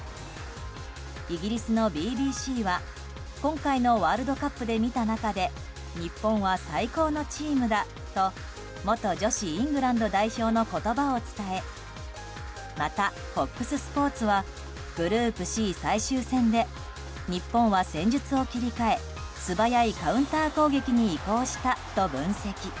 イギリスのＢＢＣは今回のワールドカップで見た中で日本は最高のチームだと元女子イングランド代表の言葉を伝えまた、ＦＯＸスポーツはグループＣ最終戦で日本は戦術を切り替え素早いカウンター攻撃に移行したと分析。